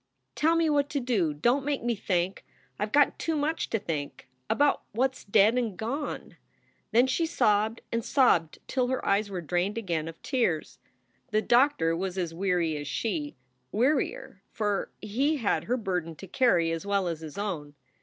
"Tell me what to do. Don t make me think. I ve got too much to think about what s dead and gone." Then she sobbed and sobbed till her eyes were drained again of tears. The doctor was as weary as she wearier, for he had her burden to carry as well as his own.